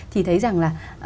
thì thấy rằng là